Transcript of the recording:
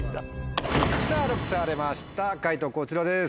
さぁＬＯＣＫされました解答こちらです。